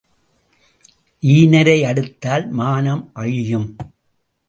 ஈனரை அடுத்தால் மானம் அழியும்.